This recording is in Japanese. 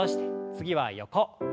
次は横。